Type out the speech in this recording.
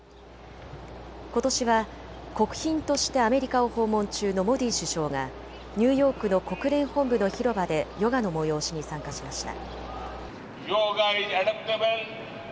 ことしは国賓としてアメリカを訪問中のモディ首相がニューヨークの国連本部の広場でヨガの催しに参加しました。